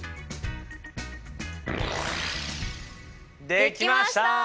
できました！